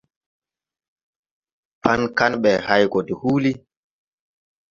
Paŋ kandɛ hay go de huuli.